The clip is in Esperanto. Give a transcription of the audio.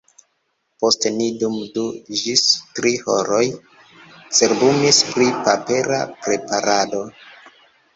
Poste ni dum du ĝis tri horoj cerbumis pri papera preparado.